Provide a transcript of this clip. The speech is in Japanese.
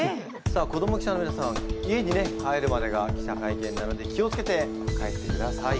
さあ子ども記者のみなさま家にね帰るまでが記者会見なので気を付けて帰ってください。